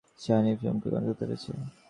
সে কি হানিফ সম্পর্কে কোনো তথ্য পেয়েছে?